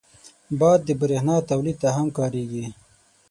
باد د بریښنا تولید ته هم کارېږي